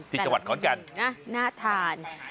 ที่จังหวัดขอนแก่นนะน่าทาน